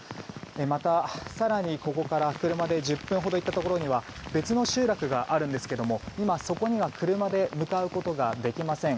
またここから車で１０分ほど行ったところには別の集落があるんですが今そこには車で向かうことができません。